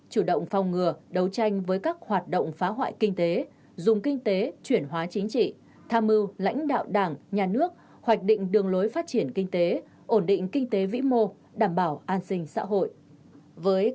chủ động phòng ngừa đấu tranh với các hoạt động phá hoại kinh tế dùng kinh tế chuyển hóa chính trị tham mưu lãnh đạo đảng nhà nước hoạch định đường lối phát triển kinh tế ổn định kinh tế vĩ mô đảm bảo an sinh xã hội